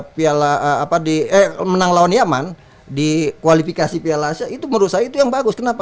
piala apa di eh menang lawan yaman di kualifikasi piala asia itu menurut saya itu yang bagus kenapa